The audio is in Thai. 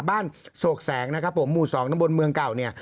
บ้านโศกแสงหมู่๒ตะบนเมืองเก่าเนี่ย